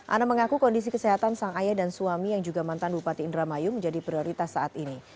ana mengaku kondisi kesehatan sang ayah dan suami yang juga mantan bupati indramayu menjadi prioritas saat ini